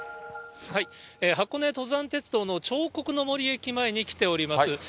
箱根登山鉄道の彫刻の森駅前に来ております。